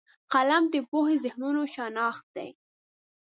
قلم د پوهو ذهنونو شناخت دی